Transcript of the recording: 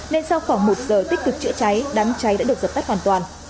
nên sau khoảng một giờ tích cực chữa cháy đám cháy đã được dập tắt hoàn toàn